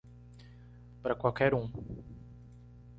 Para qualquer um